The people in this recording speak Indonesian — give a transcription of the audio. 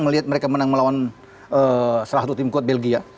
melihat mereka menang melawan salah satu tim kuat belgia